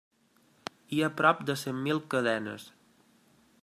Hi ha prop de cent mil cadenes.